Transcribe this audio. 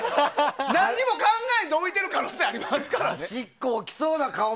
何も考えんと置いてる可能性ありますからね。